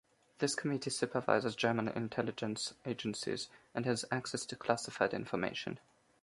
This committee supervises German intelligence agencies and has access to classified information.